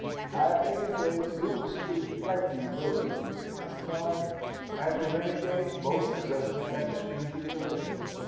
At any rate, Louis is rightly humiliated for his crime, and the Renegade most justly executed for his.